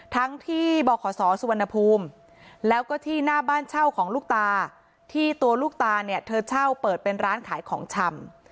ทั้งที่บขศสุวรรณภูมิแล้วก็ที่หน้าบ้านเช่าของลูกตาที่ตัวลูกตาเนี่ยเธอเช่าเปิดเป็นร้านขายของชำ